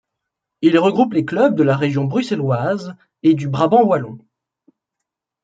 Il regroupe les clubs de la région bruxelloise et du Brabant wallon.